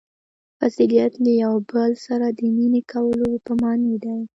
• فضیلت له یوه بل سره د مینې کولو په معنیٰ دی.